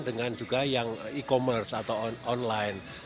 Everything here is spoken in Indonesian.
dengan juga yang e commerce atau online